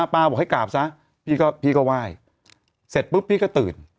ป้าบอกให้กราบซะพี่ก็พี่ก็ว่ายเสร็จปุ๊บพี่ก็ตื่น